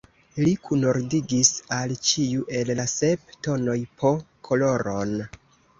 Li kunordigis al ĉiu el la sep tonoj po koloron.